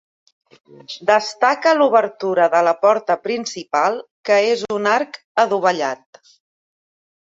Destaca l'obertura de la porta principal que és un arc adovellat.